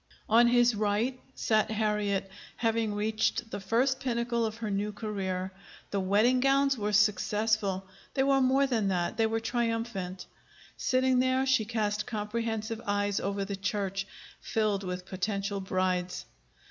On his right sat Harriet, having reached the first pinnacle of her new career. The wedding gowns were successful. They were more than that they were triumphant. Sitting there, she cast comprehensive eyes over the church, filled with potential brides.